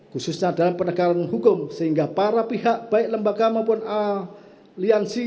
khususnya dalam penegakan hukum sehingga para pihak baik lembaga maupun aliansi